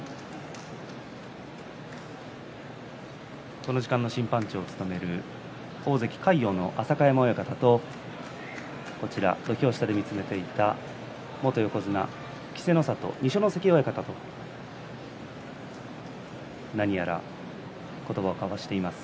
この時間の審判長を務める大関魁皇の浅香山親方と土俵下で見つめていた元横綱稀勢の里の二所ノ関親方と何やら言葉を交わしています。